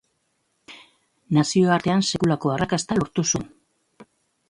Nazioartean sekulako arrakasta lortu zuen.